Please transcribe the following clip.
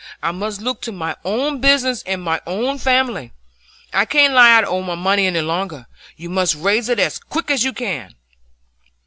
I must look to my own business and my own family. I can't lie out o' my money any longer. You must raise it as quick as you can."